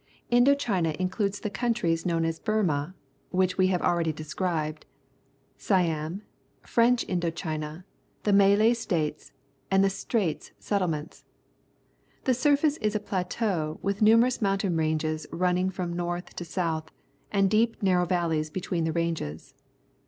— Indo China includes the coun tries known as Burma, which we have al ready described, Siani, French Indo China, the Malay States, and the Straits Settlements. The surface is a plateau, with numerous mountain ranges runnmg from north to A Native House in the Malay Country south and deep and narrow valleys between the ranges.